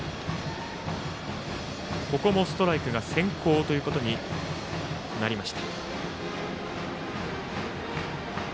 ここもストライクが先行となりました。